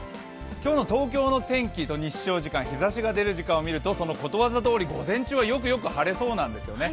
今日の東京の天気と日照時間、日ざしが出る時間を見ると、そのことわざどおり、午前中はよく晴れそうなんですよね。